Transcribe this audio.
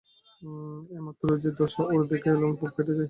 এইমাত্র যে দশা ওর দেখে এলুম বুক ফেটে যায়।